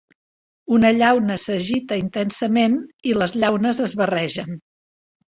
Una llauna s'agita intensament i les llaunes es barregen.